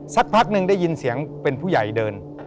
สักพักหนึ่งได้ยินเสียงเป็นผู้ใหญ่เดิน